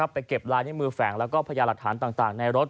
ไปเก็บลายในมือแฝงแล้วก็พยายามหลักฐานต่างในรถ